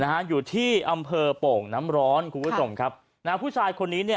นะฮะอยู่ที่อำเภอโป่งน้ำร้อนคุณผู้ชมครับนะฮะผู้ชายคนนี้เนี่ย